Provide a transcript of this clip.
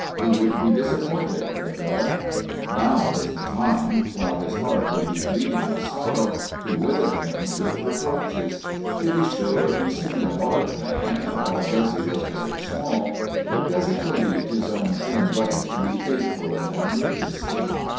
He would be disappointed, the villain! Now was the time, while his heart would be bleeding with sorrow, to wither him with reproaches. To be sure, he seemed a large man, while Guzzy was very small, but Guzzy believed his own thin legs to be faithful in an emergency.